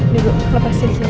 dego lepasin siapa